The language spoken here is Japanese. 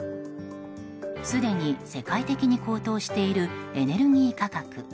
すでに世界的に高騰しているエネルギー価格。